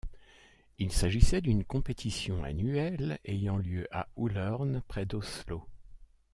Il s'agissait d'une compétition annuelle ayant lieu à Ullern, près d'Oslo.